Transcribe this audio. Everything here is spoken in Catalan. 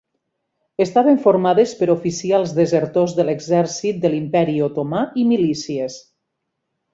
Estaven formades per oficials desertors de l'Exèrcit de l'Imperi Otomà i milícies.